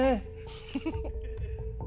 フフフフ。